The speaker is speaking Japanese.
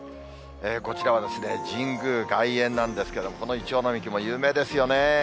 こちらは神宮外苑なんですけれども、このイチョウ並木も有名ですよね。